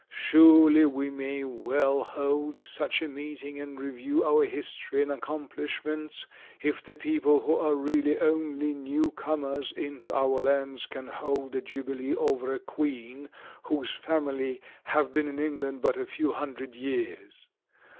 Surely we may well hold such a meeting and review our history and accomplishments, if the people who are really only new comers into our lands can hold a jubilee over a Queen whose family have been in England but a few hundred years.